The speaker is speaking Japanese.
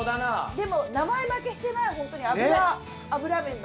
でも名前負けしてないホントに油脂麺だ。